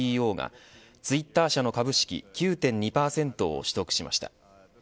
ＣＥＯがツイッター社の株式９．２％を取得しました。